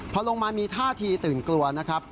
พอลงมามีท่าทีตื่นกลัวนะครับ